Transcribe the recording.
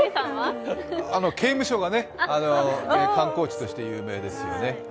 刑務所が観光地として有名ですよね。